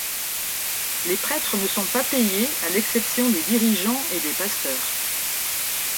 Les prêtres ne sont pas payés à l’exception des dirigeants et des pasteurs.